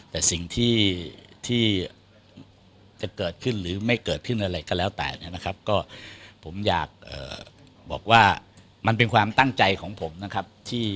แต่สิ่งที่จะเกิดขึ้นหรือไม่เกิดขึ้นอะไรก็แล้วแต่เนี่ยนะครับก็ผมอยากบอกว่ามันเป็นความตั้งใจของผมนะครับ